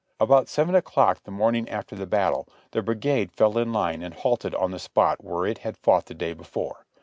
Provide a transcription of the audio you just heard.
About seven o'clock the morning after the battle, the brigade fell in line and halted on the spot where it had fought the day before.